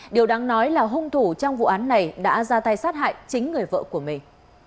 điều đáng nói là hung thủ trong vụ án này đã ra tay sát hại chính người vợ của mình